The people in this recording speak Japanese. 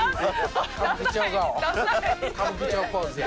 歌舞伎町ポーズや。